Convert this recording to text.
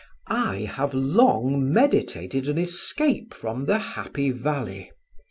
I have long meditated an escape from the Happy Valley.